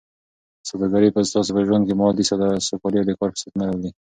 سوداګري به ستاسو په ژوند کې مالي سوکالي او د کار فرصتونه راولي.